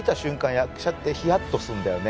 役者ってヒヤッとするんだよね